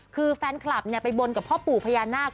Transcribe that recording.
คือแฟนคลับไปบนกับพ่อปู่พญานาค